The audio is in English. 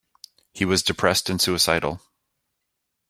He was depressed and suicidal.